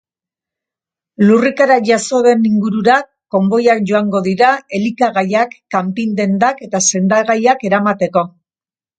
Lurrikara jazo den ingurura konboiak joango dira elikagaiak, kanpai-dendak eta sendagaiak eramateko.